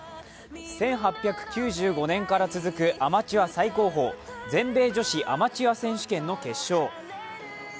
１８９５年から続くアマチュア最高峰、全米女子アマチュア選手権の決勝。